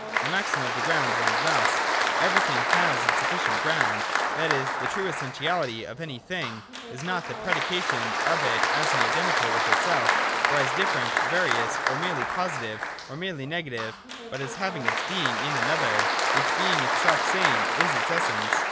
The maxim of the Ground runs thus : Everything has its Sufficient Ground : that is, the true essentiality of any thing is not the predication of it as identical with itself, or as different (various), or merely positive, or merely negative, but as having its Being in an other, which, being its selfsame, is its essence.